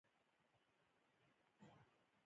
یوې بلې مېرمنې رضوان ته مشوره ورکړه.